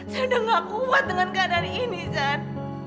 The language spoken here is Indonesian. saya sudah gak kuat dengan keadaan ini zan